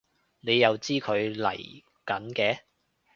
你又知佢嚟緊嘅？